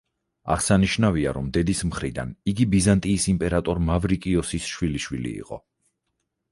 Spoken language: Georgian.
აღსანიშნავია, რომ დედის მხრიდან იგი ბიზანტიის იმპერატორ მავრიკიოსის შვილიშვილი იყო.